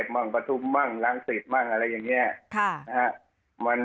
มั่งประทุมมั่งล้างสิทธิ์มั่งอะไรอย่างเงี้ย